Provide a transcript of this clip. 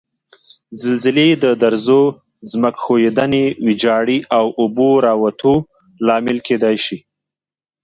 زلزلې د درزو، ځمکې ښویدنې، ویجاړي او اوبو راوتو لامل کېدای شي.